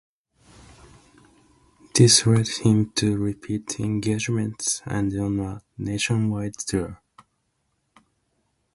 This led him to repeat engagements, and on a nationwide tour.